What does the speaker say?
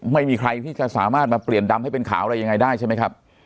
ไม่มีใครที่จะสามารถมาเปลี่ยนดำให้เป็นขาวอะไรยังไงได้ใช่ไหมครับ